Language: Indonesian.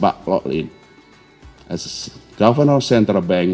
dan terakhir sebagai pemerintah dan pengusaha bank